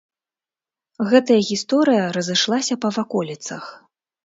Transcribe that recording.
Гэтая гісторыя разышлася па ваколіцах.